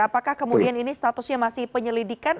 apakah kemudian ini statusnya masih penyelidikan